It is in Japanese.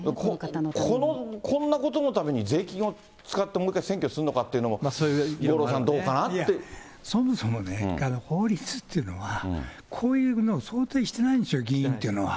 この、こんなことのために税金を使って、もう一回選挙するのかっていうのそもそもね、法律っていうのは、こういうのを想定してないんですよ、議員というのは。